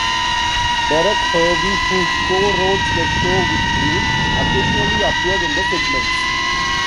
Derek Harvie, who co-wrote the show with Green, occasionally appeared in the segments.